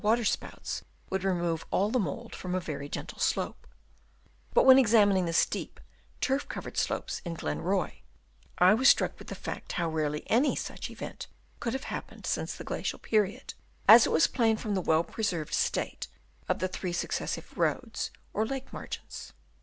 263 water spouts would remove all the mould from a very gentle slope ; but when ex amining the steep, turf covered slopes in Grlen Roy, I was struck with the fact how rarely any such event could have happened since the Glacial period, as was plain from the well preserved state of the three successive ci roads" or lake margins.